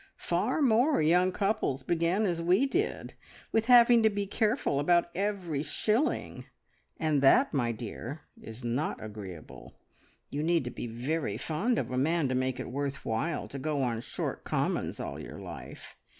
Far more young couples begin as we did, with having to be careful about every shilling; and that, my dear, is not agreeable! You need to be very fond of a man to make it worth while to go on short commons all your life.